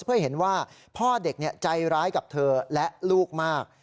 เพื่อเห็นว่าพ่อเด็กใจร้ายกับเธอและลูกมาก